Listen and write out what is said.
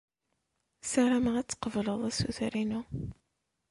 Ssarameɣ ad tqebled assuter-inu.